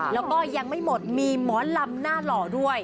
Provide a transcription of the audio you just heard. แล้วก็ยังไม่หมดมีหมอลำหน้าหล่อด้วย